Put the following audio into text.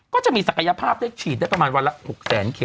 ก็จะมีศักยภาพได้ฉีดได้ประมาณวันละ๖แสนเค